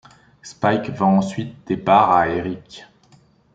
Spike vend ensuite des parts à Eric.